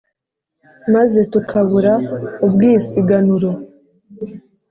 Maze tukabura ubwisiganuro